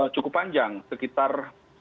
cukup panjang sekitar